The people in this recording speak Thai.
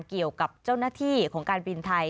เกี่ยวกับเจ้าหน้าที่ของการบินไทย